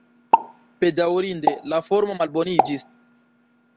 Bedaŭrinde, la formo malboniĝis.